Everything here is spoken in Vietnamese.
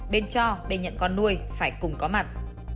bên cho bên nhận con nuôi phải cùng có mặt